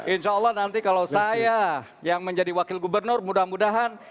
insya allah nanti kalau saya yang menjadi wakil gubernur mudah mudahan